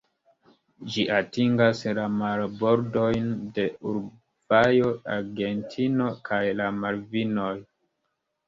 Ĝi atingas la marbordojn de Urugvajo, Argentino kaj la Malvinoj.